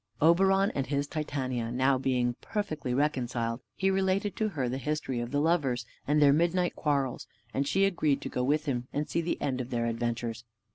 Oberon and his Titania being now perfectly reconciled, he related to her the history of the lovers, and their midnight quarrels; and she agreed to go with him and see the end of their adventures.